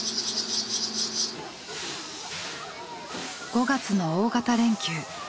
５月の大型連休。